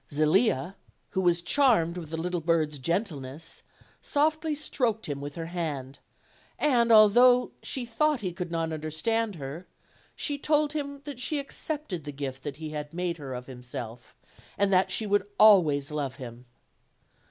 Zelia, who was charmed with the little bird's gentleness, softly stroked him with her hand, and although she thought he could not under stand her, she told him that she accepted the gift that he made her of himself, and that she would always love him.